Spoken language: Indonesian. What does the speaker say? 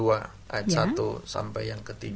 ayat satu sampai yang ke tiga